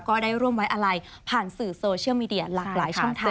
ก็ได้ร่วมไว้อะไรผ่านสื่อโซเชียลมีเดียหลากหลายช่องทาง